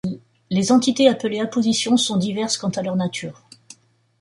Les entités appelées appositions sont diverses quant à leur nature.